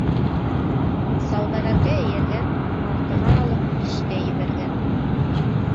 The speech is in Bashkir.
Сауҙәгәргә эйәргән алтыға алып, бишкә ебәргән.